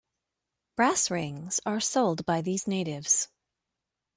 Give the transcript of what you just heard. Brass rings are sold by these natives.